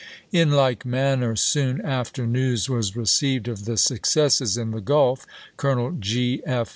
In like manner, soon after news was received of the successes in the Gulf, Colonel Gr. F.